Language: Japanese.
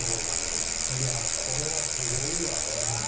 いやー、これはすごいわ。